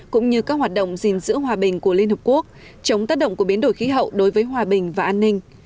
cũng như các hoạt động gìn giữ hòa bình của liên hợp quốc chống tác động của biến đổi khí hậu đối với hòa bình và an ninh